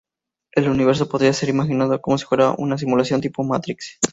El universo podría ser imaginado como si fuera una simulación tipo Matrix.